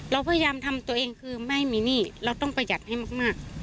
เราพยายามทำตัวเองคือไม่มีหนี้เราต้องประหยัดให้มาก